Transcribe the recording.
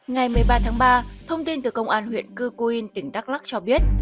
ngày một mươi ba tháng ba thông tin từ công an huyện cư quyên tỉnh đắk lắc cho biết